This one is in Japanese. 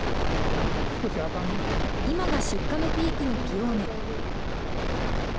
今が出荷のピークのピオーネ。